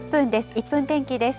１分天気です。